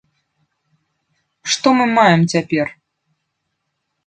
Што мы маем цяпер?